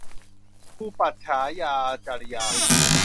คุรูปัชฌายาจริยา